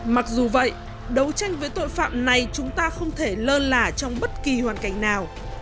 mặc dù vậy đấu tranh với tội phạm này chúng ta không thể lơ lả trong bất kỳ hoàn cảnh nào